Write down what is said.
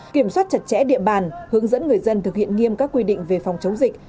kiểm soát chặt chẽ địa bàn hướng dẫn người dân thực hiện nghiêm các quy định về phòng chống dịch